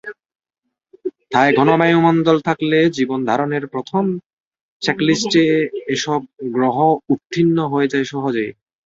তাই ঘন বায়ুমন্ডল থাকলে জীবন ধারণের প্রথম চেকলিস্টে এসব গ্রহ উত্তীর্ণ হয়ে যায় সহজেই।